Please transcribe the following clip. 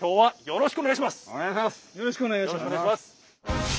よろしくお願いします。